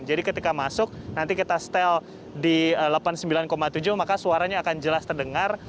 jadi ketika masuk nanti kita setel di delapan puluh sembilan tujuh maka suaranya akan jelas terdengar